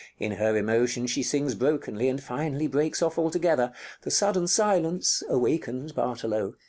In her emotion she sings brokenly, and finally breaks off altogether. The sudden silence awakens Bartolo.